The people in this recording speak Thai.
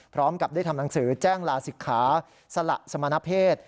พร้อมกับได้ทำหนังสือแจ้งลาศิกขาสละสมณเพศ